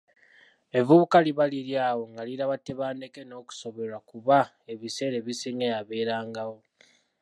Evvubuka liba liri awo nga liraba Tebandeke n’okusoberwa kuba ebiseera ebisinga yabeerangawo.